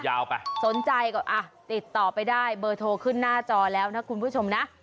ไปสนใจก็อ่ะติดต่อไปได้เบอร์โทรขึ้นหน้าจอแล้วนะคุณผู้ชมนะ